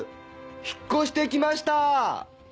引っ越して来ました！